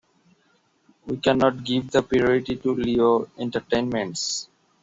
We cannot give the priority to Lao entertainments.